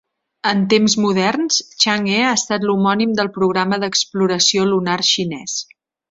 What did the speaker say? En temps moderns, Chang'e ha estat l'homònim del programa d'exploració lunar xinès.